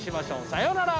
さようなら。